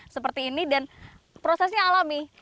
seperti ini dan prosesnya alami